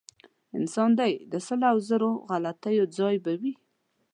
انسان دی د سلو او زرو غلطیو ځای به وي.